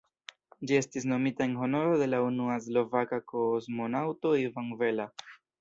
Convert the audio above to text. Ĝi estis nomita en honoro de la unua slovaka kosmonaŭto Ivan Bella.